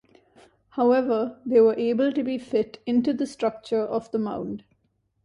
However, they were able to be fit into the structure of the mound.